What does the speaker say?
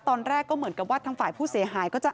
ตอนแรกก็เหมือนกับว่าทางฝ่ายผู้เสียหายก็จะ